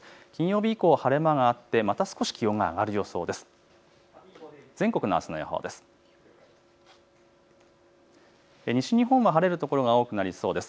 金曜日以降、晴れ間があって、また少し気温が上がりそうです。